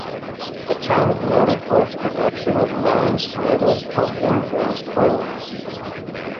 The town is noted for its production of melons, tomatoes, pumpkins and prunes.